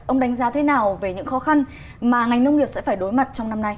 ông đánh giá thế nào về những khó khăn mà ngành nông nghiệp sẽ phải đối mặt